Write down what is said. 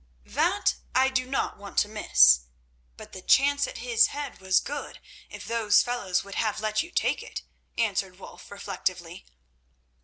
"That I do not want to miss, but the chance at his head was good if those fellows would have let you take it," answered Wulf reflectively.